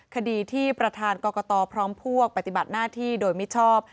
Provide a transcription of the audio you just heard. คดีที่ประธานกรกตพร้อมพวกปฏิบัติหน้าที่โดยมิชอบ